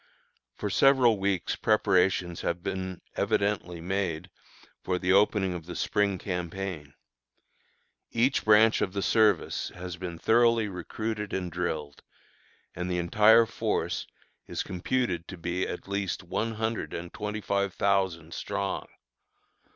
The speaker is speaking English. For several weeks preparations have been evidently made for the opening of the Spring campaign. Each branch of the service has been thoroughly recruited and drilled, and the entire force is computed to be at least one hundred and twenty five thousand strong.